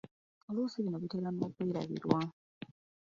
Oluusi bino bitera n’okwerabirwa.